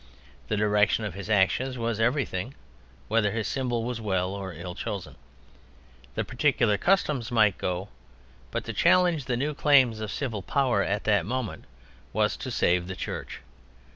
The direction of his actions was everything, whether his symbol was well or ill chosen. The particular customs might go. But to challenge the new claims of civil power at that moment was to save the Church.